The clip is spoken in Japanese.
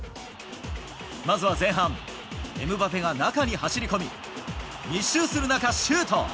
まずは前半、エムバペが中に走り込み、密集する中、シュート。